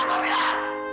keluar gue bilang